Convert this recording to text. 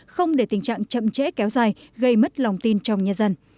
không để tình trạng chậm trễ kéo dài gây mất lòng tin trong nhà dân